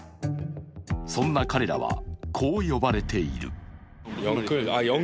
そんな彼らはこう呼ばれている。